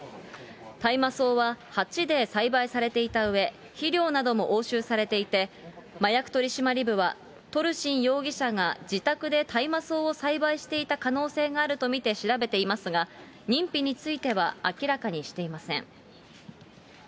大麻草は鉢で栽培されていたうえ、肥料なども押収されていて、麻薬取締部は、トルシン容疑者が自宅で大麻草を栽培していた可能性があると見て調べていますが、認否については明らかにしていません。